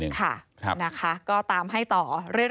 เผื่อเขายังไม่ได้งาน